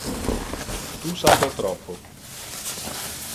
Tu sape troppo.